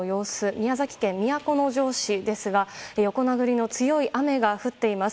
宮崎県都城市ですが横殴りの強い雨が降っています。